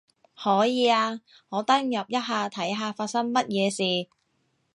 可以啊，我登入一下睇下發生乜嘢事